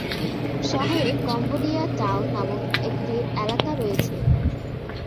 শহরে "Cambodia town" নামক একটি এলাকা রয়েছে।